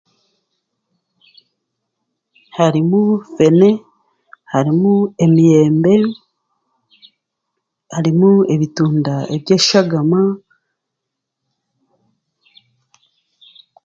Hariimu fene, hariimu emiyeembe, hariimu ebitunda eby'eshagaama.